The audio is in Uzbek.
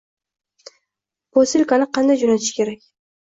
Posilkani qanday jo’natish kerak?